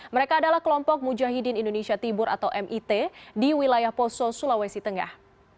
mereka adalah kelompok mujahidin indonesia tibur atau mit di wilayah poso sulawesi tengah